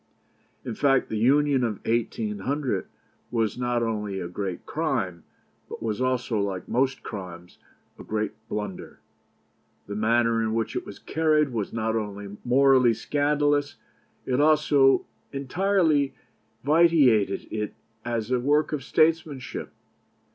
"In fact, the Union of 1800 was not only a great crime, but was also, like most crimes, a great blunder. The manner in which it was carried was not only morally scandalous; it also entirely vitiated it as a work of statesmanship.